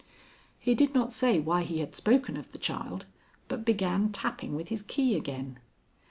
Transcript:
He did not say why he had spoken of the child, but began tapping with his key again.